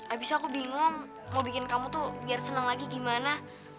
abis itu aku bingung mau bikin kamu tuh biar seneng lagi gimana